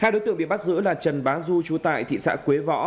hai đối tượng bị bắt giữ là trần bá du chú tại thị xã quế võ